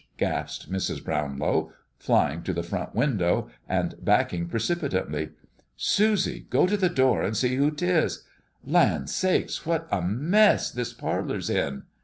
gasped Mrs. Brownlow, flying to the front window, and backing precipitately. "Susie, go to that door an' see who 'tis. Land sakes, what a mess this parlor's in!"